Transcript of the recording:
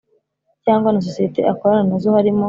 cyangwa na sosiyete akorana na zo harimo